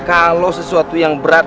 kalau sesuatu yang berat